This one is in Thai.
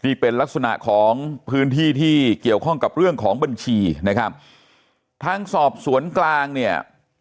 นี่เป็นลักษณะของพื้นที่ที่เกี่ยวข้องกับเรื่องของบัญชีนะครับทางสอบสวนกลางเนี่ย